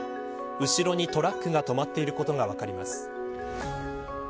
後ろにトラックが止まっていることが分かります。